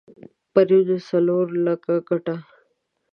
پرون څلور لکه ګټه؛